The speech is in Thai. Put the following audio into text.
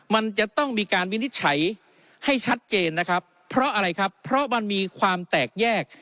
มันจะต้องมีการวินิจฉัยให้ชัดเจนเพราะมีความแตกแยก